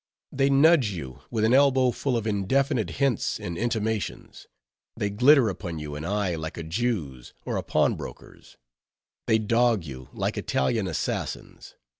They nudge you with an elbow full of indefinite hints and intimations; they glitter upon you an eye like a Jew's or a pawnbroker's; they dog you like Italian assassins.